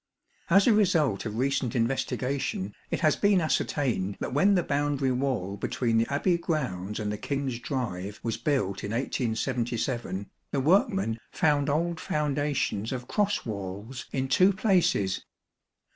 As a result of recent investigation it has been ascertained that when the boundary wall between the Abbey grounds and the King's drive was built in 1877 the workmen found old foundations of cross walls in two places.